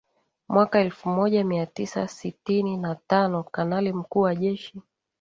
mwaka elfu moja mia tisa sitini na tano Kanali Mkuu wa Jeshi